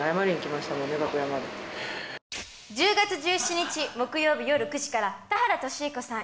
楽屋まで１０月１７日木曜日夜９時から田原俊彦さん